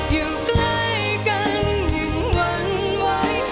อยู่ใกล้กันอย่างหวั่นไหว